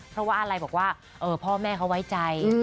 เพราะว่าอะไรบอกว่าพ่อแม่เขาไว้ใจ